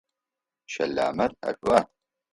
Щэламэр ӏэшӏуа?